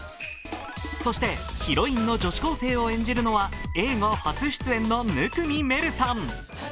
そしてヒロインの女子高生を演じるのは、映画初出演の生見愛瑠さん。